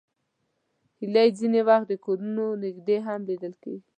هیلۍ ځینې وخت د کورونو نږدې هم لیدل کېږي